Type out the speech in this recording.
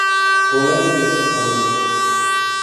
होला नि त्यतै ठमेलमा ।